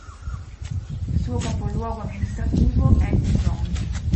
Il suo capoluogo amministrativo è Dillon.